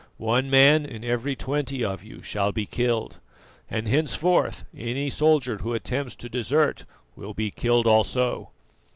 One man in every twenty of you shall be killed, and henceforth any soldier who attempts to desert will be killed also!"